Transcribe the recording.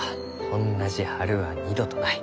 おんなじ春は二度とない。